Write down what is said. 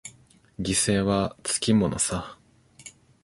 犠牲はつきものさ。